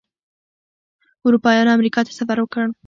اروپایانو امریکا ته سفر وکړ.